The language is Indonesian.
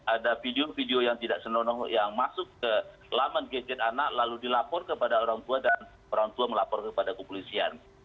ada video video yang tidak senonoh yang masuk ke laman gadget anak lalu dilapor kepada orang tua dan orang tua melapor kepada kepolisian